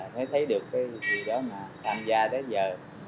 mới thấy được cái gì đó mà tham gia tới giờ